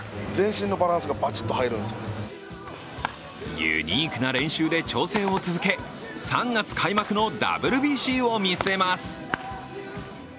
ユニークな練習で調整を続け３月開幕のＷＢＣを見据えます。